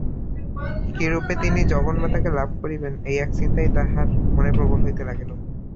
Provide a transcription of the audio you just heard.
কিরূপে তিনি জগন্মাতাকে লাভ করিবেন, এই এক চিন্তাই তাঁহার মনে প্রবল হইতে লাগিল।